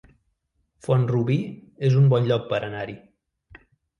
Font-rubí es un bon lloc per anar-hi